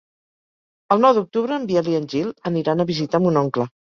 El nou d'octubre en Biel i en Gil aniran a visitar mon oncle.